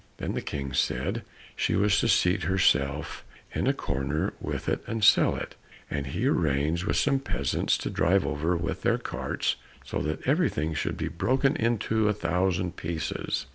Then the King said she was to seat herself in a corner with it and sell it, and he arranged with some peasants to drive over it with their carts, so that everything should be broken into a thousand pieces.